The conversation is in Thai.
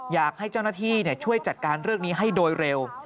อยากให้เจ้าหน้าที่ช่วยจัดการเรื่องนี้ให้โดยเร็ว